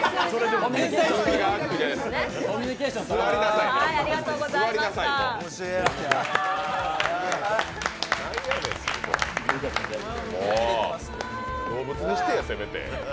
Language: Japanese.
もう動物にしてや、せめて。